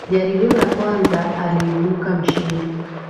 Jaribio la kwanza aliibuka mshindi.